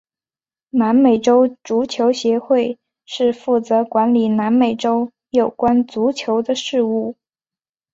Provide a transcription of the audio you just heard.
南美洲足球协会是负责管理南美洲有关足球的事务。